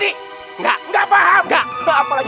enggak enggak paham